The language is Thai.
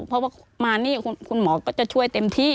เพราะว่ามานี่คุณหมอก็จะช่วยเต็มที่